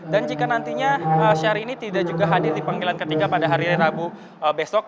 dan jika nantinya syahrini tidak juga hadir di panggilan ketiga pada hari rabu besok